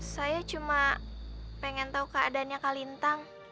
saya cuma pengen tahu keadaannya kak lintang